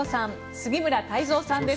杉村太蔵さんです